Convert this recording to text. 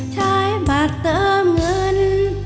ใช้บัตรเติมเงิน